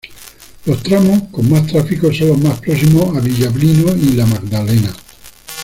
Los tramos con más tráfico son los más próximos a Villablino y La Magdalena.